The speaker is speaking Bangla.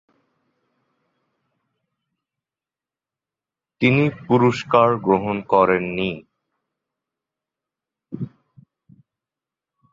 তিনি পুরস্কার গ্রহণ করেন নি।